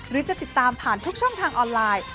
หรือจะติดตามผ่านทุกช่องทางออนไลน์